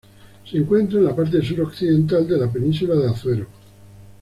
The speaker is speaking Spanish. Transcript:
Se encuentra en la parte sur occidental de la península de Azuero.